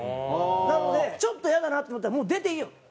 なのでちょっとイヤだなって思ったらもう出ていいよ。